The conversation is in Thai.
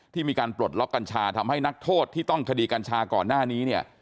ที่มีการปลดล็อกกัญชาทำให้นักโทษที่ต้องคดีกัญชาก่อนหน้านี้เนี่ย